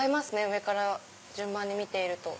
上から順番に見ていると。